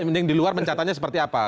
mending di luar mencatatnya seperti apa